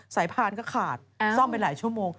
พานก็ขาดซ่อมไปหลายชั่วโมง